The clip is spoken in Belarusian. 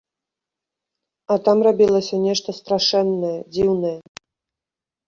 А там рабілася нешта страшэннае, дзіўнае.